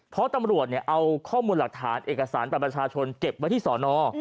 เพราะตำรวจเอาข้อมูลหลักฐานเอกสารบัตรประชาชนเก็บไว้ที่สอนอ